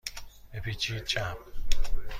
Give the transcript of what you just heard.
بپیچید چپ.